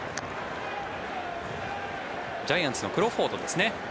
ジャイアンツのクロフォードですね。